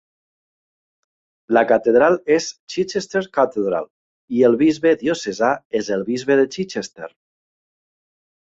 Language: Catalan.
La catedral és Chichester Cathedral i el bisbe diocesà és el Bisbe de Chichester.